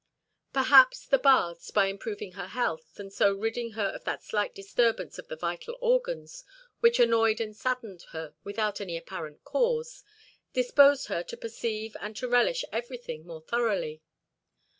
Perhaps, the baths, by improving her health, and so ridding her of that slight disturbance of the vital organs which annoyed and saddened her without any apparent cause, disposed her to perceive and to relish everything more thoroughly.